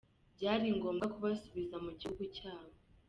byari ngombwa kubasubiza mu gihugu cyabo.